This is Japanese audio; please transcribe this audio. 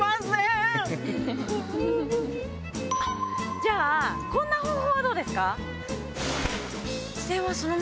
じゃあこんな方法はどうですか？